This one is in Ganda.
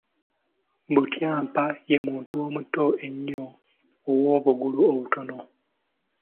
Butyampa ye muntu omutono ennyo ow’obugulu obutono.